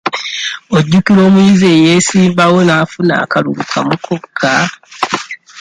Ojjukira omuyizi eyeesimbawo n'afuna akalulu kamu kokka?